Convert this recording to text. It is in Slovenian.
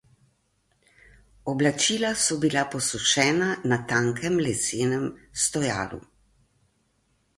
Oblačila so bila posušena na tankem lesenem stojalu.